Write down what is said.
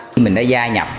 khi mình đã gia nhập